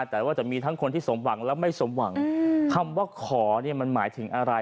แต่ว่าจะมีทั้งคนที่สมหวังและไม่สมหวังคำว่าขอเนี่ยมันหมายถึงอะไร